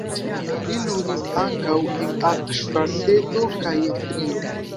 Li ludis ankaŭ en arĉkvarteto kaj en trio.